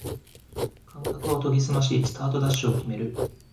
感覚を研ぎすましスタートダッシュを決める